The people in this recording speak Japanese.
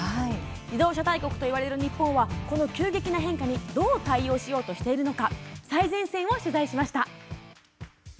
自動車大国といわれる日本はこの急激な変化にどう対応しようとしているのか最前線を取材しました。